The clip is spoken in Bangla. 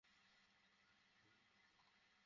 যাত্রীরা বিমানে আজ কোনো খাবার পাবে না।